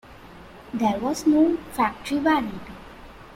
There was no factory warranty.